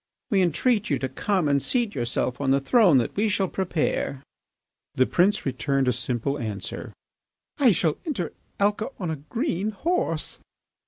We entreat you to come and seat yourself on the throne that we shall prepare." The prince returned a simple answer: "I shall enter Alca on a green horse."